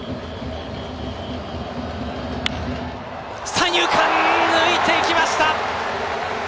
三遊間、抜いていきました。